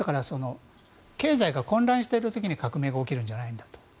経済が混乱している時に革命が起きるんじゃないかと。